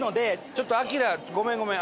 ちょっとあきらごめんごめん。